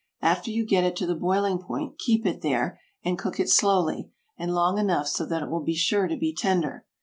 After you get it to the boiling point keep it there, and cook it slowly, and long enough so that it will be sure to be tender.